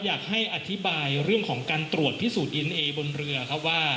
อยากให้อธิบายเรื่องของการตรวจพิสูจน์อินเอบนเรือครับว่า